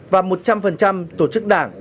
và một trăm linh tổ chức đảng